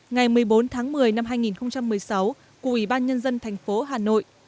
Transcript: ngày một mươi bốn tháng một mươi năm hai nghìn một mươi sáu của ủy ban nhân dân thành phố hà nội